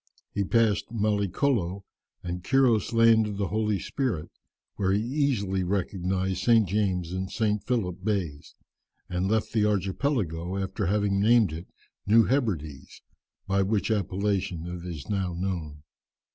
He passed Mallicolo and Quiros' Land of the Holy Spirit, where he easily recognized St. James and St. Philip Bays, and left this archipelago after having named it New Hebrides, by which appellation it is now known.